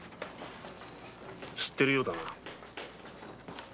知っているようだな。